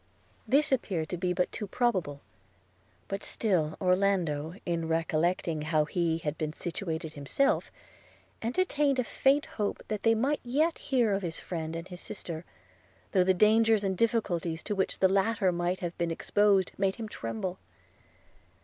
This appeared to be but too probable; but still Orlando, in recollecting how he had been situated himself, entertained a faint hope that they might yet hear of his friend and his sister, though the dangers and difficulties to which the latter might have been exposed made him tremble.